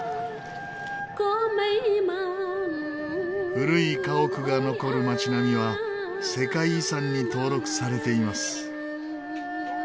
古い家屋が残る街並みは世界遺産に登録されています。